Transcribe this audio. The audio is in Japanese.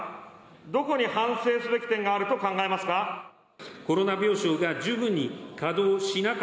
どこに反省すべき点があると考えますか。